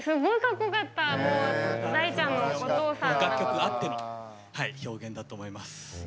この楽曲あっての表現だと思います。